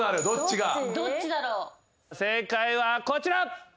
正解はこちら。